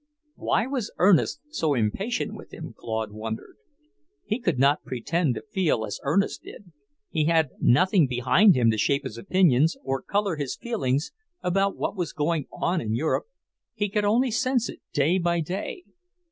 Why was Ernest so impatient with him, Claude wondered. He could not pretend to feel as Ernest did. He had nothing behind him to shape his opinions or colour his feelings about what was going on in Europe; he could only sense it day by day.